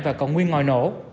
và còn nguyên ngòi nổ